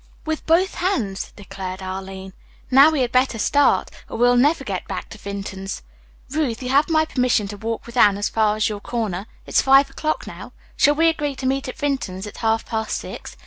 "With both hands," declared Arline. "Now, we had better start, or we'll never get back to Vinton's. Ruth, you have my permission to walk with Anne as far as your corner. It's five o'clock now. Shall we agree to meet at Vinton's at half past six?